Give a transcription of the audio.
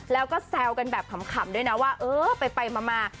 แล้วก็แซวกันแบบขำด้วยนะว่าเออไปมา